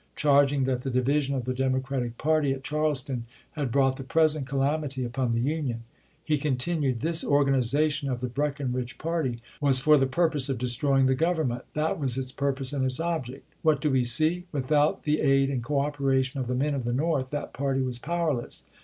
Charging that the division of the Democratic party at Chai'leston had brought the present calamity upon the Union, he continued : This organization of the Breckinridge party was for the purpose of destroying the Government. That was its purpose and its object. What do we see? Without the aid and cooperation of the men of the North that party was powerless.